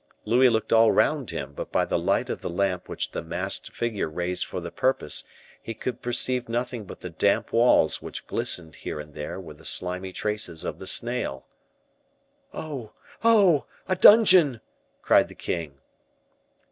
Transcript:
Louis looked all round him; but by the light of the lamp which the masked figure raised for the purpose, he could perceive nothing but the damp walls which glistened here and there with the slimy traces of the snail. "Oh oh! a dungeon," cried the king.